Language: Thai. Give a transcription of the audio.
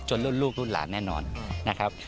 จนร่วนลูกรูปร้านแน่นอนนะครับ